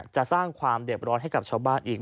จะสร้างความเด็บร้อนให้กับชาวบ้านอีก